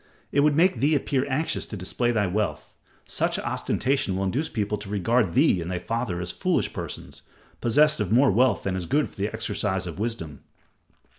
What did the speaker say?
"It would make thee appear anxious to display thy wealth. Such ostentation will induce people to regard thee and thy father as foolish persons, possessed of more wealth than is good for the exercise of wisdom.